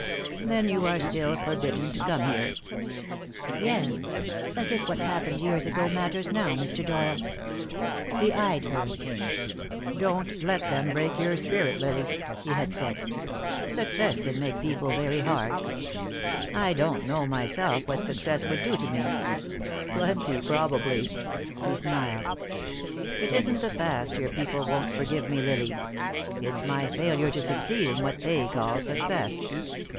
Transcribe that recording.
"Then you are still forbidden to come here?" "Yes. As if what happened years ago matters now, Mr. Doyle." He eyed her. "Don't let them break your spirit, Lily," he had said. "Success can make people very hard. I don't know myself what success would do to me. Plenty, probably." He smiled. "It isn't the past your people won't forgive me, Lily. It's my failure to succeed in what they call success."